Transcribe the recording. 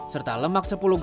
serta lemak sepenuhnya